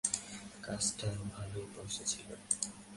কাজটায় ভালোই পয়সা ছিল।